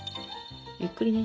ゆっくりね。